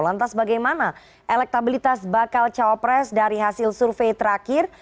lantas bagaimana elektabilitas bakal cawapres dari hasil survei terakhir